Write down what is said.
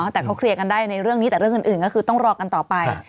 แต่เขาเคลียร์กันได้ในเรื่องนี้แต่เรื่องอื่นก็คือต้องรอกันต่อไป